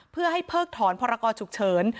เพื่อให้เพิกถอนพรกรฉุกเฉิน